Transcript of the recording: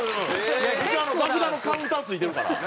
一応爆弾のカウンター付いてるから。